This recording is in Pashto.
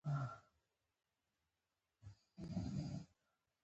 ازادي راډیو د ټولنیز بدلون په اړه د روغتیایي اغېزو خبره کړې.